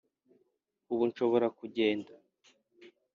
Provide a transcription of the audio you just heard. Ubu nshobora kugenda